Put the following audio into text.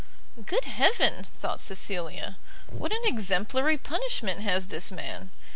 "Good Heaven!" thought Cecilia, "what an exemplary punishment has this man!